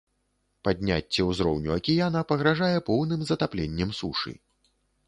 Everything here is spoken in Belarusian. Падняцце ўзроўню акіяна пагражае поўным затапленнем сушы.